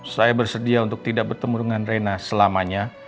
saya bersedia untuk tidak bertemu dengan reina selamanya